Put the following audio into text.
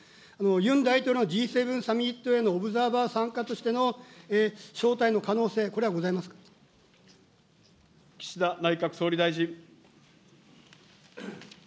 ユン大統領のＧ７サミットへのオブザーバー参加としての招待の可岸田内閣総理大臣。